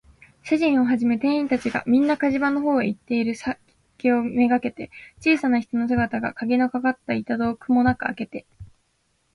主人をはじめ店員たちが、みんな火事場のほうへ行っているすきをめがけて、小さな人の姿が、かぎのかかった板戸をくもなくあけて、